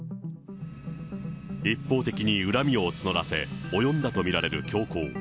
一方的に恨みをつのらせ、及んだと見られる凶行。